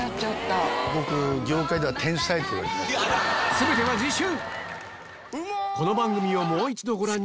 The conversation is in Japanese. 全ては次週！